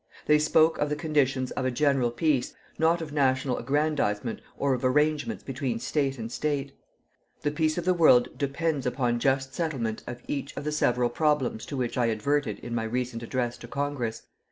They spoke of the conditions of a general peace, not of national aggrandizement or of arrangements between state and state. The peace of the world depends upon just settlement of each of the several problems to which I adverted in my recent address to Congress.